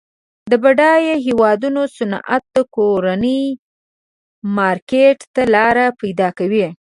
د بډایه هیوادونو صنعت د کورني مارکیټ ته لار پیداکوي.